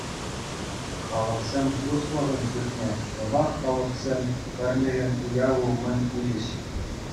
Халӑхсен туслӑхӗн ҫуртне шӑпах Халӑхсен пӗрлӗхӗн уявӗ умӗн уҫӗҫ.